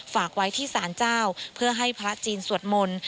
ฝากไว้ที่สารเจ้าเพื่อให้พระจีนสวดมนต์